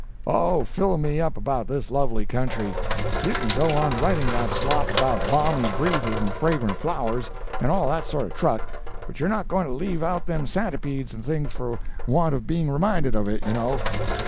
Oh, fill me up about this lovely country! You can go on writing that slop about balmy breezes and fragrant flowers, and all that sort of truck, but you're not going to leave out them santipedes and things for want of being reminded of it, you know."